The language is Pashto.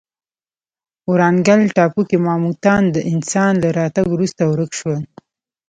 ورانګل ټاپو کې ماموتان د انسان له راتګ وروسته ورک شول.